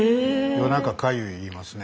夜中「かゆい」言いますね。